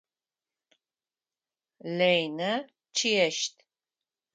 Ленэ чъыещт.